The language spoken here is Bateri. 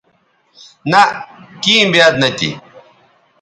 نہء کیں بیاد نہ تھی